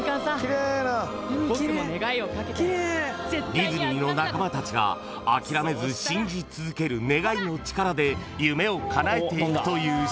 ［ディズニーの仲間たちが諦めず信じ続ける願いの力で夢をかなえていくというショー］